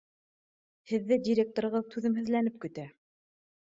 Һеҙҙе директорығыҙ түҙемһеҙләнеп көтә.